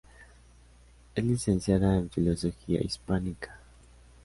Es licenciada en filología Hispánica.